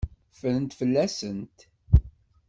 Ffrent fell-asent.